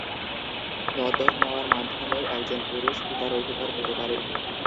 দত্তক নেওয়ার মাধ্যমেও একজন পুরুষ পিতার অধিকার পেতে পারেন।